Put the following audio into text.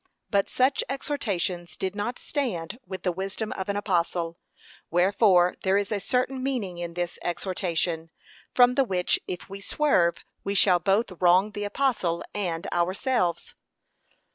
But such exhortations did not stand with the wisdom of an apostle. Wherefore there is a certain meaning in this exhortation, from the which if we swerve, we shall both wrong the apostle and ourselves.